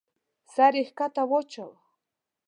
سر يې کښته واچاوه.